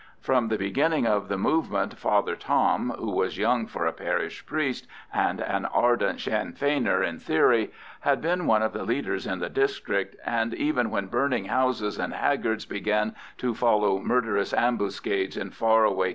From the beginning of the movement Father Tom, who was young for a parish priest and an ardent Sinn Feiner in theory, had been one of the leaders in the district, and even when burning houses and haggards began to follow murderous ambuscades in far away Co.